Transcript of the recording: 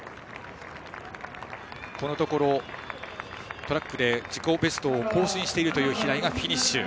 このところ、トラックで自己ベストを更新しているという平井がフィニッシュ。